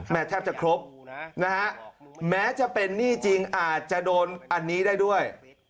แทบจะครบนะฮะแม้จะเป็นหนี้จริงอาจจะโดนอันนี้ได้ด้วย